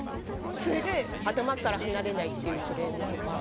それで、頭から離れないっていうクレームとか。